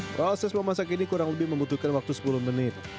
proses memasak ini kurang lebih membutuhkan waktu sepuluh menit